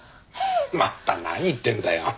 また何言ってんだよ。